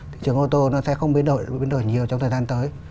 thị trường ô tô nó sẽ không biến đổi và biến đổi nhiều trong thời gian tới